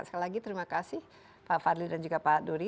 sekali lagi terima kasih pak fadli dan juga pak dodi